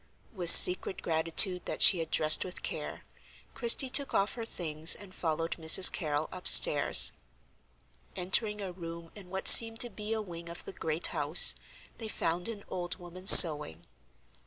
With secret gratitude that she had dressed with care, Christie took off her things and followed Mrs. Carrol upstairs. Entering a room in what seemed to be a wing of the great house, they found an old woman sewing.